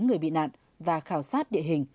người bị nạn và khảo sát địa hình